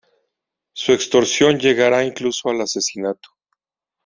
Su extorsión llegará incluso al asesinato.